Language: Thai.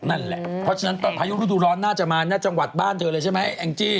นั่นแหละเพราะฉะนั้นตอนพายุฤดูร้อนน่าจะมาหน้าจังหวัดบ้านเธอเลยใช่ไหมแองจี้